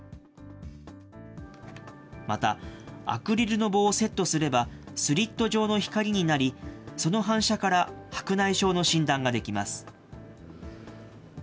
また、アクリルの棒をセットすれば、スリット状の光になり、その反射から、白内障の診断ができます。